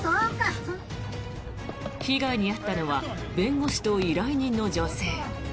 被害に遭ったのは弁護士と依頼人の女性。